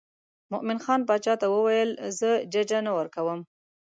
مومن خان باچا ته وویل زه ججه نه ورکوم.